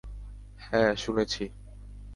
হ্যাঁ, শুনেছি।